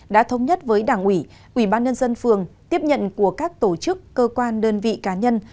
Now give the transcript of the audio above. đã thống nhất với đảng ủy ubndtq tiếp nhận của các tổ chức cơ quan đơn vị cá nhân